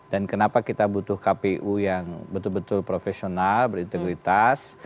dan kenapa kita butuh kpu yang betul betul profesional berintegritas